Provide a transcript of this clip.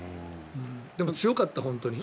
でも、強かった、本当に。